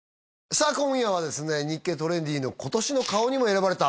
さあ今夜はですね日経トレンディの今年の顔にも選ばれた